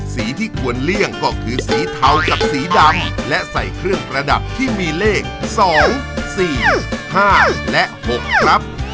ที่ควรเลี่ยงก็คือสีเทากับสีดำและใส่เครื่องประดับที่มีเลข๒๔๕และ๖ครับ